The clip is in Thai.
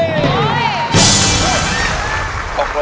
ไม่ใช้